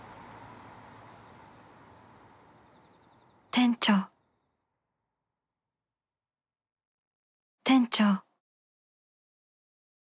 店長店長